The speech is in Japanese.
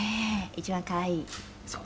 一番かわいい。